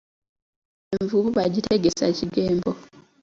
Envubu bagitegesa kigembo.